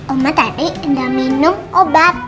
oma tadi gak minum obat